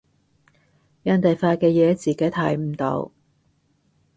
人哋發嘅嘢自己睇唔到